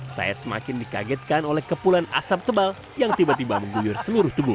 saya semakin dikagetkan oleh kepulan asap tebal yang tiba tiba mengguyur seluruh tubuh